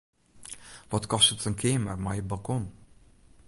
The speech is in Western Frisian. Wat kostet in keamer mei balkon?